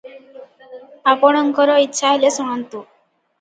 ଆପଣଙ୍କର ଇଚ୍ଛା ହେଲେ ଶୁଣନ୍ତୁ ।